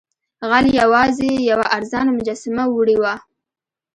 غل یوازې یوه ارزانه مجسمه وړې وه.